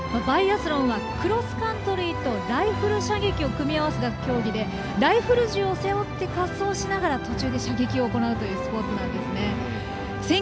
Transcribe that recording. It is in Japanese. バイアスロンはクロスカントリーとライフル射撃を組み合わせた競技でライフル銃を背負って滑走しながら途中で射撃を行うというスポーツなんですね。